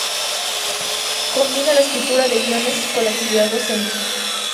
Combina la escritura de guiones con la actividad docente.